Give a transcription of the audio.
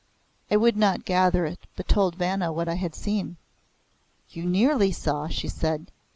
I would not gather it but told Vanna what I had seen. "You nearly saw;" she said.